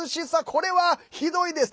これは、ひどいです。